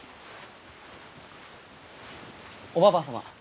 おばば様。